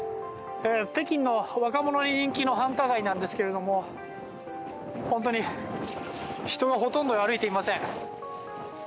北京の若者に人気の繁華街なんですけども本当に人がほとんど歩いていません。